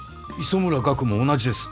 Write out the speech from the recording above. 磯村岳も同じです。